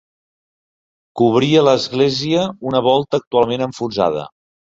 Cobria l'església una volta actualment enfonsada.